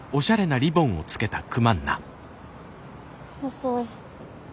遅い。